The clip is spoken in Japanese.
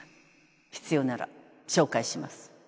必要なら紹介します。